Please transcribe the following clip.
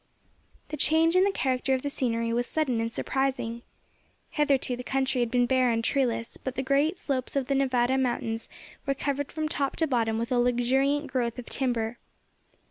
The change in the character of the scenery was sudden and surprising. Hitherto the country had been bare and treeless, but the great slopes of the Nevada mountains were covered from top to bottom with a luxuriant growth of timber.